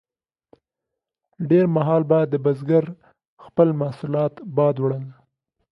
ډیر مهال به د بزګر خپل محصولات باد وړل.